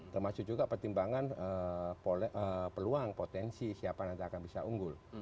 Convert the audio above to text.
termasuk juga pertimbangan peluang potensi siapa nanti akan bisa unggul